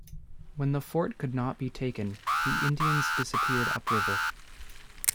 When the fort could not be taken, the Indians disappeared upriver.